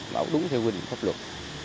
bảo đúng theo huyện pháp luật